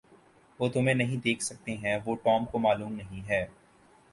وہ تمہیں نہیں دیکھ سکتے ہیں وہ ٹام کو معلوم نہیں ہے